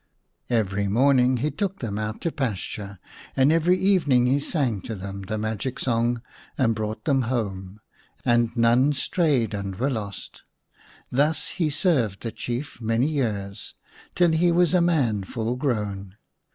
Every morning he took them out to pasture and every evening he sang to them the magic song and brought them home, and none strayed and were lost. Thus he served the Chief many years, till he was a man full grown.